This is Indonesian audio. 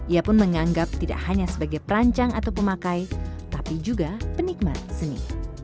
ia pun menganggap tidak hanya sebagai perancang atau pemakai tapi juga penikmat seni